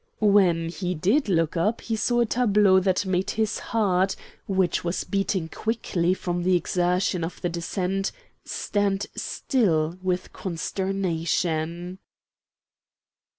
When he did look up he saw a tableau that made his heart, which was beating quickly from the exertion of the descent, stand still with consternation.